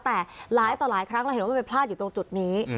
แต่หลายต่อหลายครั้งเราเห็นว่ามันไปพลาดอยู่ตรงจุดนี้